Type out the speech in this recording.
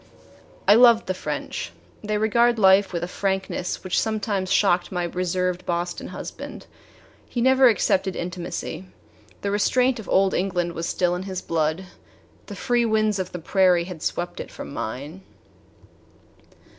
I loved the French. They regard life with a frankness which sometimes shocked my reserved Boston husband. He never accepted intimacy. The restraint of old England was still in his blood. The free winds of the prairie had swept it from mine.